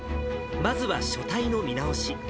まずは書体の見直し。